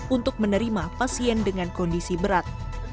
untuk menerima pasien dengan kondisi berat